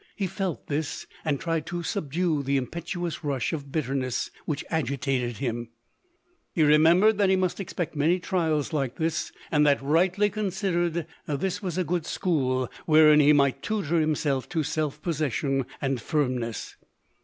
He felt this, and tried to subdue the impetuous rush of bittern which agitated him ; he remembered that he must expect many trials like this, and that, rightly considered, this was a good school wherein he might tutor himself to self pos session and firmness.